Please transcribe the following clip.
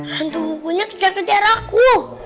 hantu punya kejar kejar aku